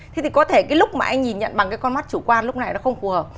thế thì có thể cái lúc mà anh nhìn nhận bằng cái con mắt chủ quan lúc này nó không phù hợp